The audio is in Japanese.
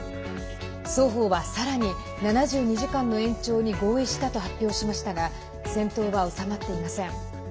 双方は、さらに７２時間の延長に合意したと発表しましたが戦闘は収まっていません。